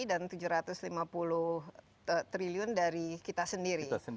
dan tujuh ratus lima puluh triliun dari kita sendiri